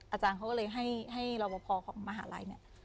อาจารย์เขาก็เลยให้รอบพอของมหาลัยเนี่ย